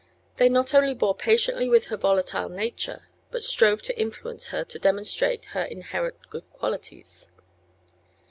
They not only bore patiently with her volatile nature but strove to influence her to demonstrate her inherent good qualities.